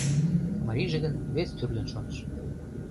Марийже гын вестӱрлын шоныш: